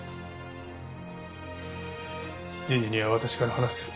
人事には私から話す。